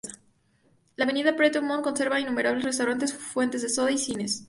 La Avenida Pedro Montt concentra innumerables restaurantes, fuentes de soda y cines.